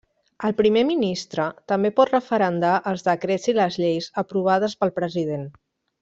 El primer ministre també pot referendar els decrets i les lleis aprovades pel president.